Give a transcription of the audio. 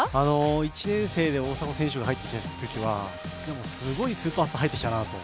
１年生で大迫選手が入ったときは、すごいスーパースターが入ってきたなと。